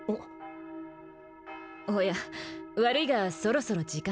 おや悪いがそろそろ時間